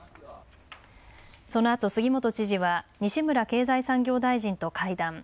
そのあと杉本知事は西村経済産業大臣と会談。